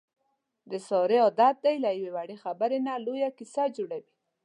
د سارې عادت دی له یوې وړې خبرې نه لویه کیسه جوړوي.